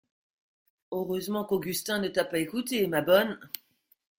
Heureusement qu'Augustin ne t'a pas écoutée, ma bonne!